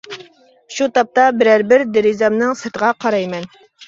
شۇ تاپتا بىرەر بىر دېرىزەمنىڭ سىرتىغا قارايمەن.